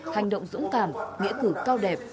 hành động dũng cảm nghĩa cử cao đẹp